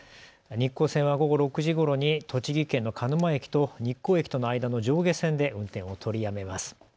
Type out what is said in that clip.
日光線は午後６時ごろに栃木県の鹿沼駅と日光駅との間の上下線で運転を取りやめます。